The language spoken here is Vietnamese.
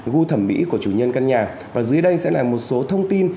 gu thẩm mỹ của chủ nhân căn nhà và dưới đây sẽ là một số thông tin